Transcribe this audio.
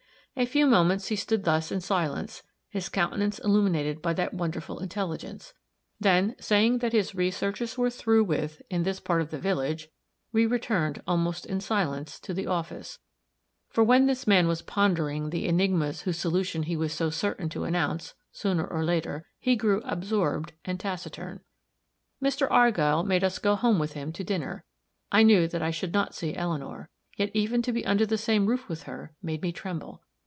A few moments he stood thus in silence, his countenance illuminated by that wonderful intelligence. Then, saying that his researches were through with in this part of the village, we returned, almost in silence, to the office; for when this man was pondering the enigmas whose solution he was so certain to announce, sooner or later, he grew absorbed and taciturn. Mr. Argyll made us go home with him to dinner. I knew that I should not see Eleanor; yet, even to be under the same roof with her, made me tremble.